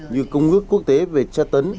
như công ước quốc tế về tra tấn